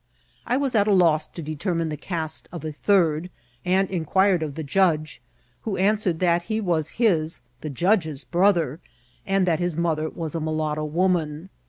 I was at a loss to determine the caste of a third, and inquired of the judge, who answered that he was his, the judge's, brother, and that his mother was a mulatto woman.